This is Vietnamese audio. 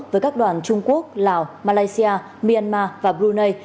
với các đoàn trung quốc lào malaysia myanmar và brunei